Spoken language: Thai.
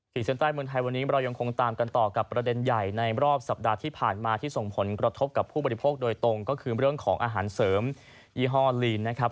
เส้นใต้เมืองไทยวันนี้เรายังคงตามกันต่อกับประเด็นใหญ่ในรอบสัปดาห์ที่ผ่านมาที่ส่งผลกระทบกับผู้บริโภคโดยตรงก็คือเรื่องของอาหารเสริมยี่ห้อลีนนะครับ